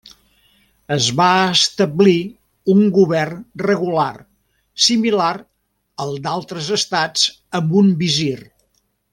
Es va establir un govern regular similar al d'altres estats amb un visir.